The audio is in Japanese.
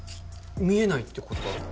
見えないってことだろ？